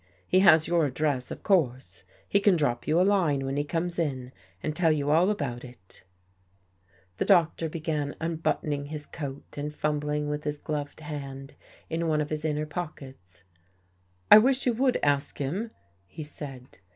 He has your address, of course. He can drop you a line when he comes in and tell you all about it." 62 THE JADE EARRING The Doctor began unbuttoning his coat and fum bling with his gloved hand in one of his inner pockets. " I wish you would ask him.," he said.